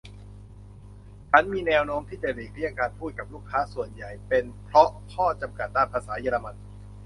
ฉันมีแน้วโน้มที่จะหลีกเลี่ยงการพูดกับลูกค้า ส่วนใหญ่เป็นเพราะข้อจำกัดด้านภาษาเยอรมัน